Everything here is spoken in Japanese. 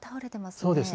そうですね。